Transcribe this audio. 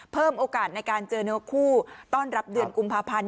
เพิ่มโอกาสในการเจอเนื้อคู่ต้อนรับเดือนกุมภาพันธ์